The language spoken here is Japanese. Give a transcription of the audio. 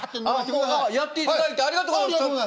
やっていただいてありがとうございます。